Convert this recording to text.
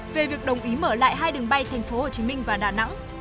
về việc đồng ý mở lại hai đường bay thành phố hồ chí minh và đà nẵng